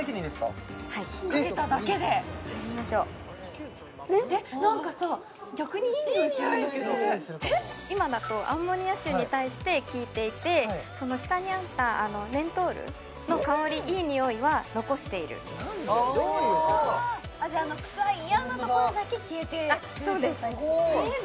かいでみましょうえっ何かさ逆にいい匂いするんだけど今だとアンモニア臭に対して効いていて下にあったメントールの香りいい匂いは残しているああーじゃああの臭い嫌なところだけ消えてそうですえー